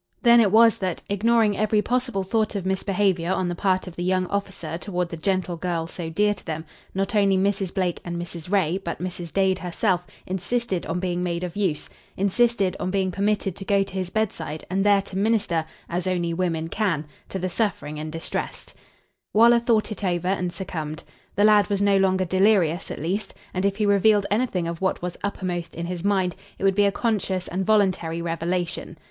Then it was that, ignoring every possible thought of misbehavior on the part of the young officer toward the gentle girl so dear to them, not only Mrs. Blake and Mrs. Ray, but Mrs. Dade herself, insisted on being made of use, insisted on being permitted to go to his bedside and there to minister, as only women can, to the suffering and distressed. Waller thought it over and succumbed. The lad was no longer delirious, at least, and if he revealed anything of what was uppermost in his mind it would be a conscious and voluntary revelation.